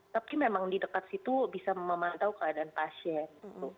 tapi memang di dekat situ bisa memantau keadaan pasien